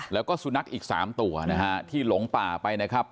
แล้วก็สุนัขอีก๓ตัวนะฮะที่หลงป่าไปนะครับ